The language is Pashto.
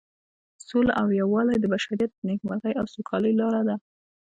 سوله او یووالی د بشریت د نیکمرغۍ او سوکالۍ لاره ده.